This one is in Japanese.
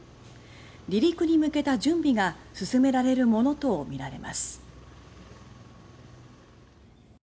離陸に向けた準備が進められるものとみられます。